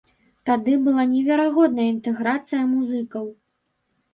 Тады была неверагодная інтэграцыя музыкаў.